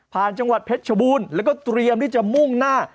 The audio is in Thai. จังหวัดเพชรชบูรณ์แล้วก็เตรียมที่จะมุ่งหน้า